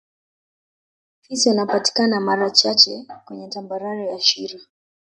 Fisi wanapatikana mara chache kweye tambarare ya shira